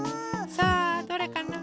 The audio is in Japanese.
さあどれかな？